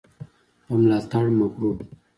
په ملاتړ مغرور وو.